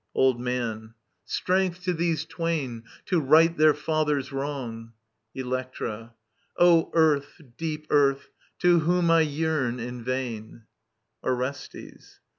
Old Man, Strength to these twain, to right their Other's wrong ! Electra. Earth, deep Earth, to whom I yearn in vain, Orbstbs.